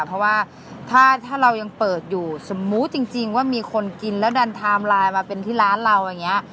เพราะว่าถ้าเรายังเปิดอยู่สมมุติจริงว่ามีคนกินแล้วดันไทม์ไลน์มาเป็นที่ร้านเราอย่างนี้